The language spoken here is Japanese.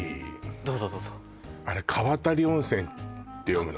どうぞどうぞあれかわたり温泉って読むの？